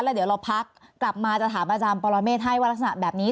เดี๋ยวเราพักกลับมาจะถามอาจารย์ปรเมฆให้ว่ารักษณะแบบนี้